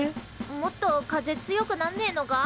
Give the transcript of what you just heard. もっと風強くなんねえのか？